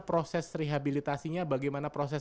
proses rehabilitasinya bagaimana proses